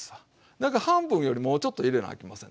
だから半分よりもうちょっと入れなあきませんで。